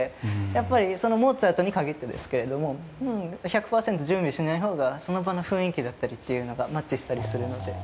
やっぱりモーツァルトに限ってですけれど１００％準備しないほうがその場の雰囲気だったりがマッチするので。